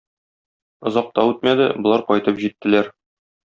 Озак та үтмәде, болар кайтып җиттеләр.